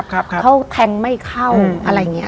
เขาแทงไม่เข้าอะไรอย่างนี้